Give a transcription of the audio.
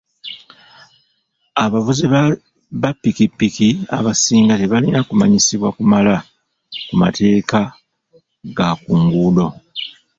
Abavuzi ba ppikipiki abasinga tebalina kumanyisibwa kumala ku mateeka ga ku nguudo.